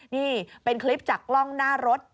นี่เป็นคลิปจากกล้องหน้ารถ